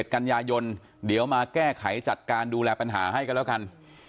กันยายนเดี๋ยวมาแก้ไขจัดการดูแลปัญหาให้กันแล้วกัน